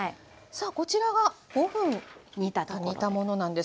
さあこちらが５分煮たものなんですが。